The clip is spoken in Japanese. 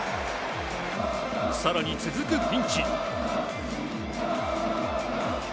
更に続くピンチ。